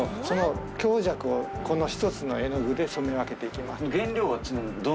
その強弱をこの１つの絵の具で染め分けて行きます。